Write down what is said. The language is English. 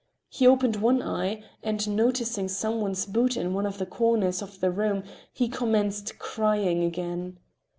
He opened one eye, and noticing some one's boot in one of the corners of the room, he commenced crying again.